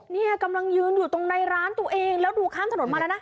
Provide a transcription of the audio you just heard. เนี่ยกำลังยืนอยู่ตรงในร้านตัวเองแล้วดูข้ามถนนมาแล้วนะ